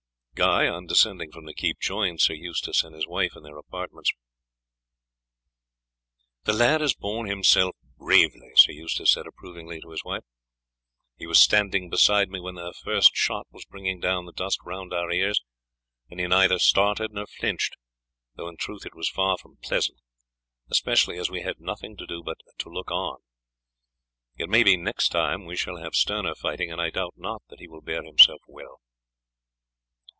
Guy on descending from the keep joined Sir Eustace and his wife in their apartments. "The lad has borne himself bravely," Sir Eustace said approvingly to his wife; "he was standing beside me when their shot was bringing down the dust round our ears, and he neither started nor flinched, though in truth it was far from pleasant, especially as we had nothing to do but to look on. It may be next time we shall have sterner fighting, and I doubt not that he will bear himself well."